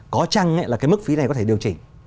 có chăng là cái mức phí này có thể điều chỉnh